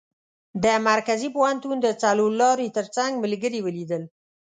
د مرکزي پوهنتون د څلور لارې تر څنګ ملګري ولیدل.